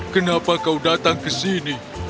kenapa kau datang ke sini